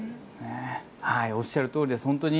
おっしゃるとおりです。